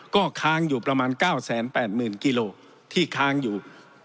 ก็ค้างอยู่ประมาณ๙๘๐๐๐กิโลที่ค้างอยู่